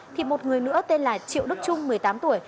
thì một người nữa tên là triệu đức trung một mươi tám tuổi